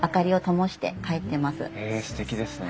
へえすてきですね。